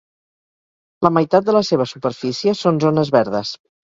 La meitat de la seva superfície són zones verdes.